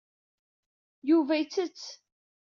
Yuba yettett.